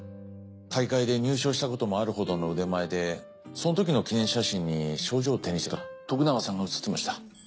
大会で入賞したこともあるほどの腕前でそのときの記念写真に賞状を手にした徳永さんが写ってました。